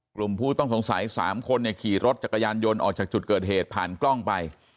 ผู้ต้องสงสัย๓คนขี่รถจักรยานยนต์ออกจากจุดเกิดเหตุผ่านกล้องไป